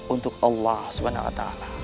untuk allah swt